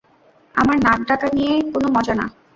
আমার নাকদাকা নিয়া কোনো মজা না।